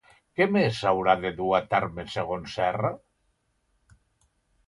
Què més s'haurà de dur a terme segons Serra?